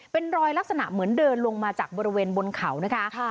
เป็นรอยลักษณะเหมือนเดินลงมาจากบริเวณบนเขานะคะ